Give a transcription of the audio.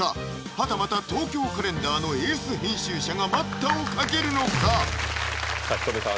はたまた「東京カレンダー」のエース編集者が待ったをかけるのか⁉さあｈｉｔｏｍｉさん